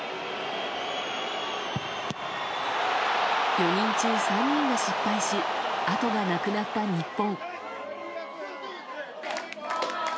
４人中３人が失敗しあとがなくなった日本。